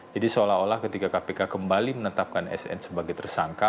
jadi seolah olah ketika kpk kembali menetapkan sn sebagai tersangka